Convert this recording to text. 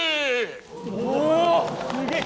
おすげえ！